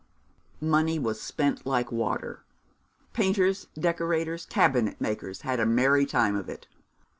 Money was spent like water. Painters, decorators, cabinet makers had a merry time of it.